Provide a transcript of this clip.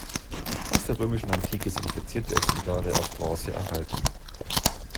Aus der römischen Antike sind verzierte Exemplare aus Bronze erhalten.